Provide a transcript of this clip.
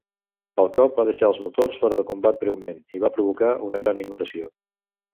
El cop va deixar els motors fora de combat breument i va provocar una gran inundació.